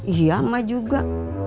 iya mah juga